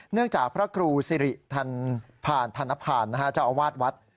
เนื่องจากพระครูสิริธรรพาณธรรพาณเจ้าอาวาสวัสดิ์